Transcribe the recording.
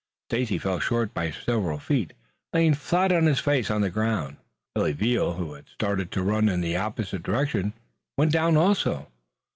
Stacy fell short by several feet, landing flat on his face on the ground. Billy Veal, who had started to run in an opposite direction, went down also.